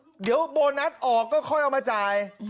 เดี๋ยวโบนัสออกก็ค่อยเอามาจ่าย